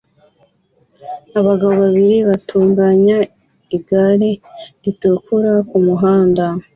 Abagabo babiri batunganya igare ritukura kumuhanda